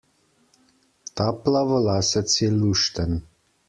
Ta plavolasec je lušten.